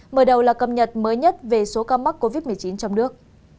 mở đầu là cập nhật mới nhất về số ca mắc covid một mươi chín trong nước